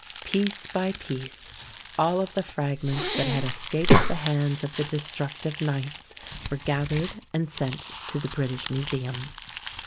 Piece by piece all of the fragments that had escaped the hands of the destructive knights were gathered and sent to the British Museum.